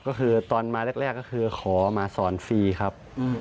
ก็คือตอนมาแรกก็คือขอมาสอนฟรีครับ